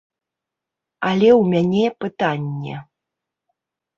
Але ў мяне пытанне.